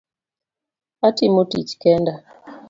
Atimo tich kenda.